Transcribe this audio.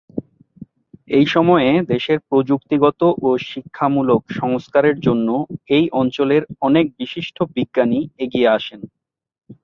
এই সময়ে দেশের প্রযুক্তিগত ও শিক্ষামূলক সংস্কারের জন্য এই অঞ্চলের অনেক বিশিষ্ট বিজ্ঞানী এগিয়ে আসেন।